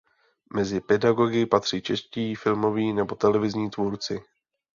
Mezi pedagogy patří čeští filmoví nebo televizní tvůrci.